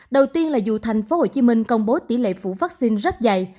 đầu tiên là dù tp hcm công bố tỷ lệ phủ vaccine rất dày